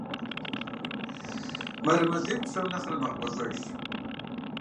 Мэрэмэжьейр псом нэхърэ нэхъ гуащӀэжщ.